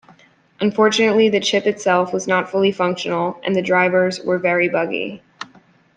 Unfortunately the chip itself was not fully functional and the drivers were very buggy.